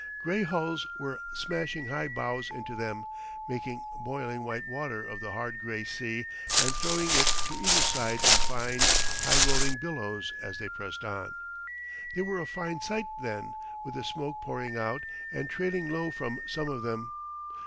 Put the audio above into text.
Gray hulls were smashing high bows into them, making boiling white water of the hard gray sea and throwing it to either side in fine, high rolling billows as they pressed on. They were a fine sight then, with the smoke pouring out and trailing low from some of them.